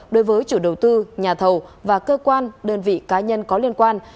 đối với chủ đầu tư nhà thầu và cơ quan đơn vị cá nhân có liên quan